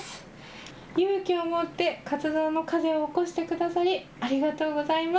勇気を持って活動のをおこしてくださり、ありがとうございます。